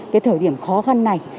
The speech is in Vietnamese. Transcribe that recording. cái thời điểm khó khăn này